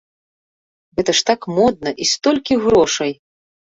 Гэта ж так модна і столькі грошай!